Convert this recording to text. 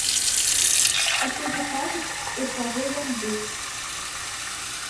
Суседзі скажуць, у каго ён быў.